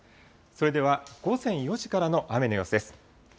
それでは午前４時からの雨の様子です。